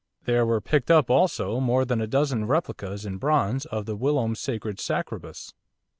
There were picked up also, more than a dozen replicas in bronze of the whilom sacred scarabaeus.